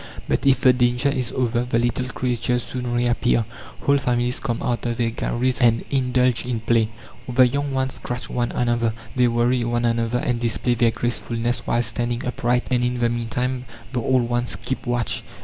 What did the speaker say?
But if the danger is over, the little creatures soon reappear. Whole families come out of their galleries and indulge in play. The young ones scratch one another, they worry one another, and display their gracefulness while standing upright, and in the meantime the old ones keep watch.